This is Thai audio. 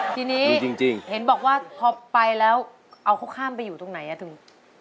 ทีนี้เห็นบอกว่าพอไปแล้วเอาเขาข้ามไปอยู่ตรงไหนอ่ะถึง